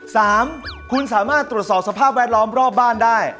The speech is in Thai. สามคุณสามารถตรวจสอบสภาพแวดล้อมรอบบ้านได้